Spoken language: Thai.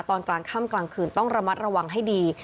ตอนกลางค่ำกลางคืนต้องระมัดระวังให้ดี